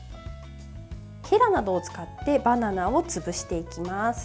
へらなどを使ってバナナを潰していきます。